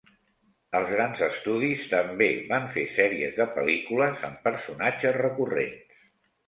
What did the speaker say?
Els grans estudis també van fer sèries de pel·lícules amb personatges recurrents.